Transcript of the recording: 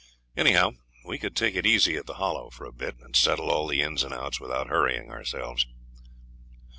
Anyhow, we could take it easy at the Hollow for a bit, and settle all the ins and outs without hurrying ourselves.